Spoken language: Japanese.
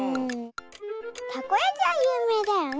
たこやきはゆうめいだよね！